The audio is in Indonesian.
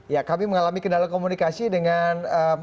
ya kami mengalami kendala komunikasi dengan